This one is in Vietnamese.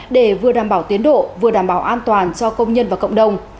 để vừa đảm bảo tiến độ vừa đảm bảo an toàn cho công nhân và cộng đồng